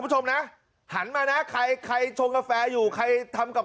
หาวหาวหาวหาวหาวหาวหาวหาวหาวหาวหาว